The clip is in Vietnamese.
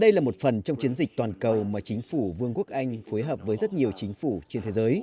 đây là một phần trong chiến dịch toàn cầu mà chính phủ vương quốc anh phối hợp với rất nhiều chính phủ trên thế giới